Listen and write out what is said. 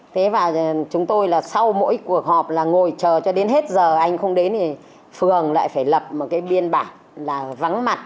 thế và chúng tôi là sau mỗi cuộc họp là ngồi chờ cho đến hết giờ anh không đến thì phường lại phải lập một cái biên bản là vắng mặt